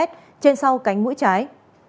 trên sau cánh mũi trái